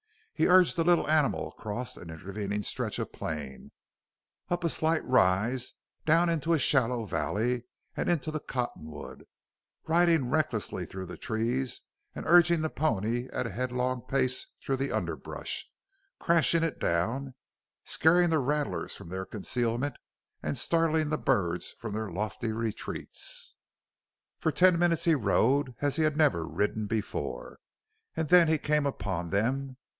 He urged the little animal across an intervening stretch of plain, up a slight rise, down into a shallow valley, and into the cottonwood, riding recklessly through the trees and urging the pony at a headlong pace through the underbrush crashing it down, scaring the rattlers from their concealment, and startling the birds from their lofty retreats. For ten minutes he rode as he had never ridden before. And then he came upon them.